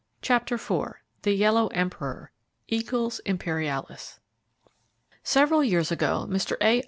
CHAPTER IV The Yellow Emperor: Eacles Imperialis Several years ago, Mr. A.